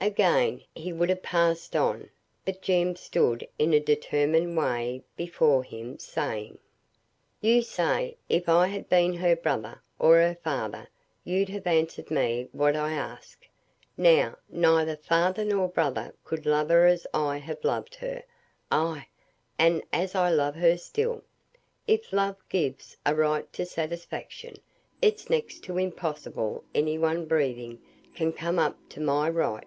Again he would have passed on, but Jem stood in a determined way before him, saying, "You say if I had been her brother, or her father, you'd have answered me what I ask. Now, neither father nor brother could love her as I have loved her, ay, and as I love her still; if love gives a right to satisfaction, it's next to impossible any one breathing can come up to my right.